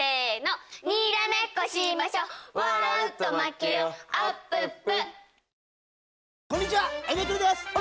にらめっこしましょ笑うと負けよあっぷっぷ